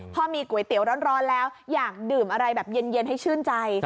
พอมีก๋วยเตี๋ยวร้อนแล้วอยากดื่มอะไรแบบเย็นให้ชื่นใจ